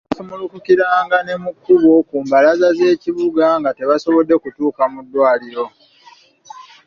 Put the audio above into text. Baasumulukukiranga ne mu kkubo ku mbalaza z’ekibuga nga tebasobodde kutuuka mu ddwaliro.